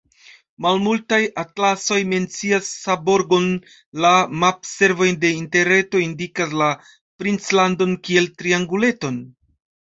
Malmultaj atlasoj mencias Seborgon; la mapservoj de Interreto indikas la princlandon kiel trianguleton.